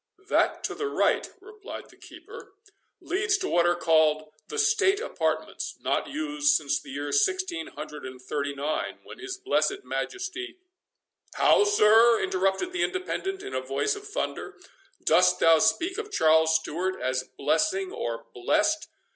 "That to the right," replied the keeper, "leads to what are called, the state apartments, not used since the year sixteen hundred and thirty nine, when his blessed Majesty"— "How, sir!" interrupted the Independent, in a voice of thunder, "dost thou speak of Charles Stewart as blessing, or blessed?